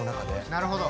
なるほど。